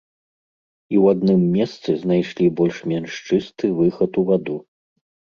І ў адным месцы знайшлі больш-менш чысты выхад у ваду.